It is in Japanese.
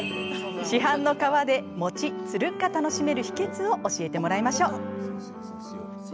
市販の皮で、もちっ、つるっが楽しめる秘けつを教えてもらいましょう。